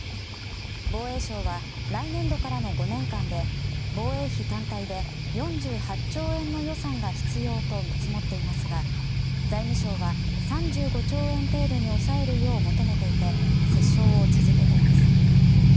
防衛省は来年度からの５年間で防衛費単体で４８兆円の予算が必要と見積もっていますが財務省は３５兆円程度に抑えるよう求めていて折衝を続けています。